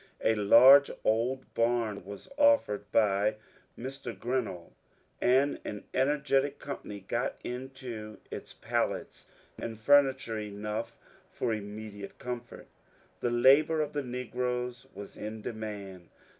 A large old bam was offered by Mr. Grinnell, and an energetic company got into it pallets and furniture enough for immediate comfort The labour of the negroes was in demand.